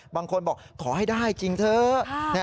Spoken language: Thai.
บางคนบอกขอให้ได้จริงเถอะ